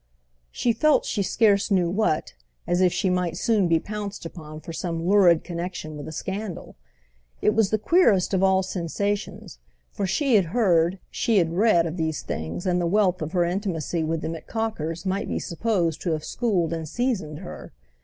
She felt she scarce knew what—as if she might soon be pounced upon for some lurid connexion with a scandal. It was the queerest of all sensations, for she had heard, she had read, of these things, and the wealth of her intimacy with them at Cocker's might be supposed to have schooled and seasoned her.